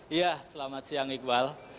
iya selamat siang iqbal